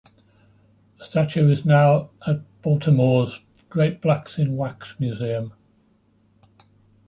The statue is now at Baltimore's Great Blacks in Wax Museum.